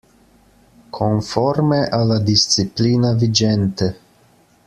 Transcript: Conforme alla disciplina vigente.